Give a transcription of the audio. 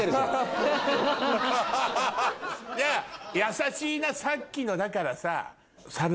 優しいなさっきのだからさ。